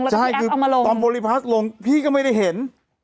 พี่แอฟเอามาลงผมบริพาสลงพี่ก็ไม่ได้เห็น